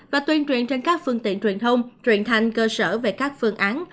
và tuyên truyền trên các phương tiện truyền thông truyền thanh cơ sở về các phương án